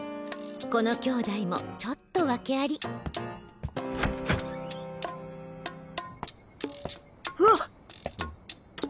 この兄弟もちょっとワケありわ！